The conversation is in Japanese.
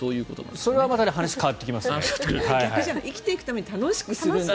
それはまた話が変わってきますね。